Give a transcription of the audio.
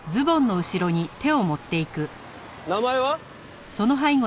名前は？